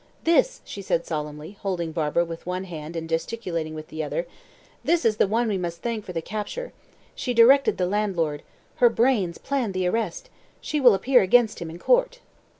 "This!" she said solemnly, holding Barbara with one hand and gesticulating with the other "this is the one we must thank for the capture. She directed the landlord her brains planned the arrest she will appear against him in court."